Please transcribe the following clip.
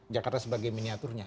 jakarta sebagai miniaturnya